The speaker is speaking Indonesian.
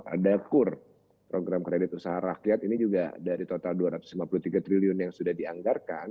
ada kur program kredit usaha rakyat ini juga dari total dua ratus lima puluh tiga triliun yang sudah dianggarkan